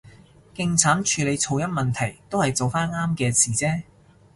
勁慘處理噪音問題，都係做返啱嘅事啫